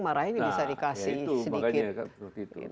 marahin bisa dikasih sedikit